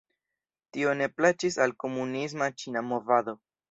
Tio ne plaĉis al komunisma ĉina movado.